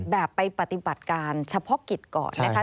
แบบไปปฏิบัติการเฉพาะกิจก่อนนะคะ